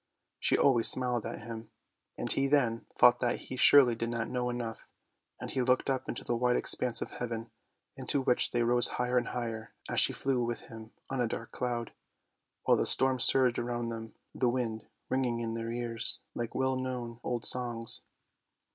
She always smiled at him, and he then thought that he surely did not know enough, and he looked up into the wide expanse of heaven, into which they rose higher and higher as she flew with him on a dark cloud, while the storm surged around them, the wind ringing in their ears like well known old songs.